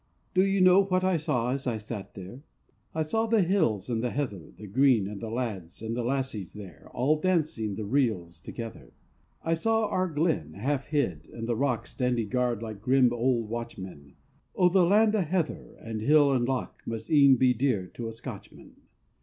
Do you know what I saw as I sat there? I saw the hills and the heather, The green, and the lads and the lassies there All dancing the reels together. I saw our glen, half hid, and the rocks Standing guard like grim old watchmen. Oh, the land o' heather and hill and loch Must e'en be dear to a Scotchman.